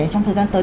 trong thời gian tới